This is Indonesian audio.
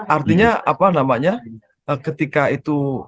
artinya apa namanya ketika itu